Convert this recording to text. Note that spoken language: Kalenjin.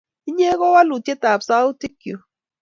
Inye ii walutiet ab sautik chu